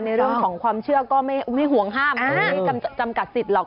เรื่องของความเชื่อก็ไม่ห่วงห้ามไม่จำกัดสิทธิหรอก